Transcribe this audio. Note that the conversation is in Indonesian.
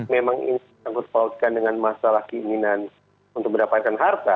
memang ini disangkut pautkan dengan masalah keinginan untuk mendapatkan harta